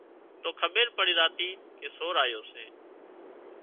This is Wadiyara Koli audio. تو کٻير پڙي زاتي ڪي سور آيو سي